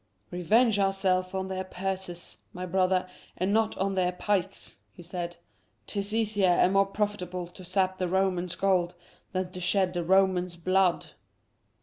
"Revenge ourselves on their purses, my brother, and not on their pikes," he said. "'T is easier and more profitable to sap the Roman's gold than to shed the Roman's blood."